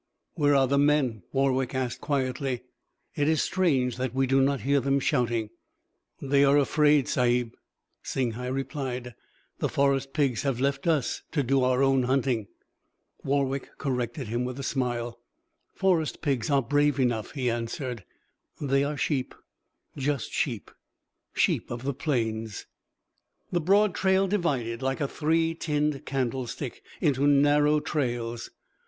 "Where are the men?" Warwick asked quietly. "It is strange that we do not hear them shouting." "They are afraid, Sahib," Singhai replied. "The forest pigs have left us to do our own hunting." Warwick corrected him with a smile. "Forest pigs are brave enough," he answered. "They are sheep just sheep sheep of the plains." The broad trail divided, like a three tined candlestick, into narrow trails.